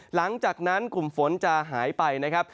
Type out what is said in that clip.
หลังจากนั้นกลุ่มฝนจะหายไปนะครับ